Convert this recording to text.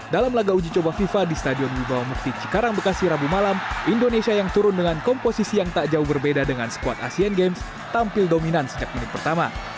dalam laga uji coba fifa di stadion wibawa mukti cikarang bekasi rabu malam indonesia yang turun dengan komposisi yang tak jauh berbeda dengan squad asian games tampil dominan sejak menit pertama